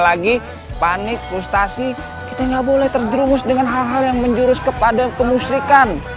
lagi panik frustasi kita nggak boleh terjerumus dengan hal hal yang menjurus kepada kemusrikan